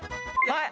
はい！